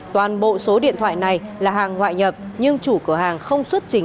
toàn bộ số điện thoại này là hàng ngoại nhập nhưng chủ cửa hàng không xuất trình